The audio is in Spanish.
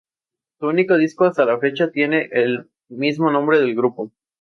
Su único disco hasta la fecha, tiene el mismo nombre del grupo.